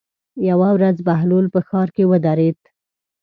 یوه ورځ بهلول په ښار کې ودرېد.